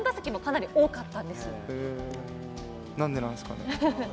なんでなんですかね？